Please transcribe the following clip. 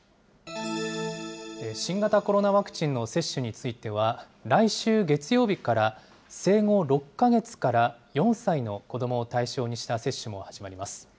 新型コロナワクチンの接種については、来週月曜日から、生後６か月から４歳の子どもを対象にした接種も始まります。